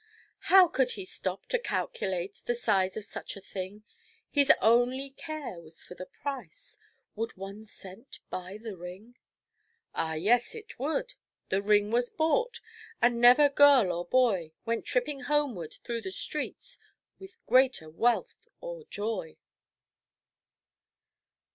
How could he stop to calculate The size of such a thing; His only care was for the price Would one cent buy the ring? Ah yes, it would. The ring was bought; And never girl or boy Went tripping homeward through the streets With greater wealth or joy.